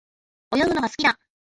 泳ぐのが好きだ。